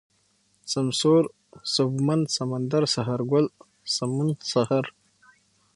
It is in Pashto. سمسور ، سوبمن ، سمندر ، سهارگل ، سمون ، سحر